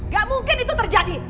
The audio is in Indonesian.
gak mungkin itu terjadi